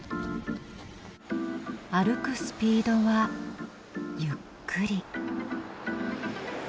歩くスピードはゆっくり。